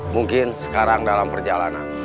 mungkin sekarang dalam perjalanan